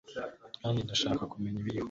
kandi ndashaka kumenya ibiriho